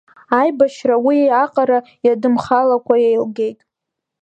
Аибашьра уи аҟара иадымхалакәа еилгеит.